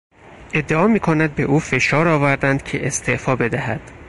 ادعا میکند به او فشار آوردند که استعفا بدهد.